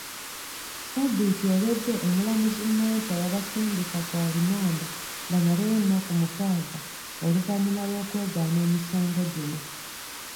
Sabiiti ewedde Omulamuzi Nankya yabasindika ku alimanda bamaleyo ennaku mukaaga oluvannyuma lw'okwegaana emisango gino.